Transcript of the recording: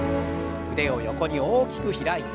腕を横に大きく開いて。